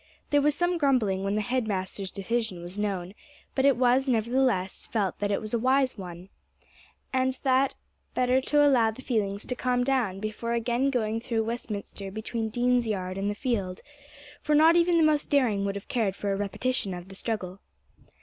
There was some grumbling when the head master's decision was known; but it was, nevertheless, felt that it was a wise one, and that it was better to allow the feelings to calm down before again going through Westminster between Dean's Yard and the field, for not even the most daring would have cared for a repetition of the struggle.